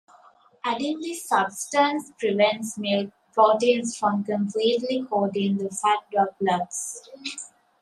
Adding this substance prevents milk proteins from completely coating the fat droplets.